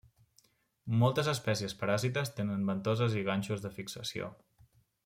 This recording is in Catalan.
Moltes espècies paràsites tenen ventoses i ganxos de fixació.